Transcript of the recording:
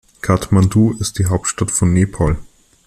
Kathmandu ist die Hauptstadt von Nepal.